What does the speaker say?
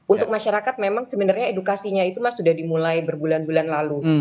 untuk masyarakat memang sebenarnya edukasinya itu mas sudah dimulai berbulan bulan lalu